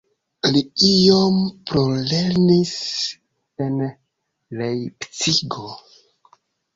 Li iom plulernis en Lejpcigo.